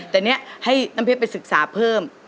แต่นี่ให้น้ำเพชรไปศึกษาเพิ่ม